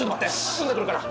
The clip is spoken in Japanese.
呼んでくるから。